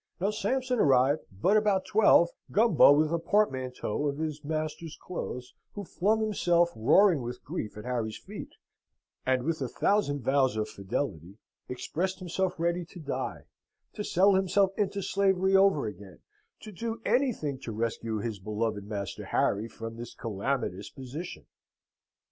No Sampson arrived, but about twelve Gumbo with a portmanteau of his master's clothes, who flung himself, roaring with grief, at Harry's feet: and with a thousand vows of fidelity, expressed himself ready to die, to sell himself into slavery over again, to do anything to rescue his beloved Master Harry from this calamitous position.